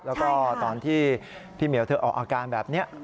แล้วก็ตอนที่พี่เหมียวเธอออกอาการแบบนี้